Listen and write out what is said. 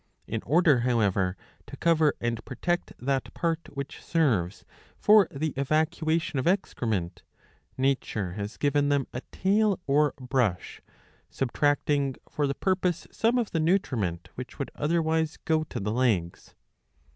In order however to cover and protect that part which serves for the evacuation of excre ment, nature has given them a tail or brush, subtracting for the purpose some of the nutriment which would otherwise go to the legs.